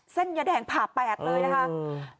เส้นแยดแหงผาแปดเลยนะคะ